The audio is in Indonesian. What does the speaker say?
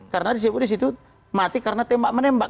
karena disitu mati karena tembak menembak